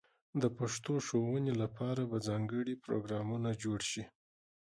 د پښتو ښوونې لپاره به ځانګړې پروګرامونه جوړ شي.